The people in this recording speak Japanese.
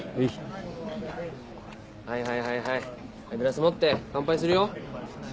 はいはいはいはいグラス持って乾杯するよ。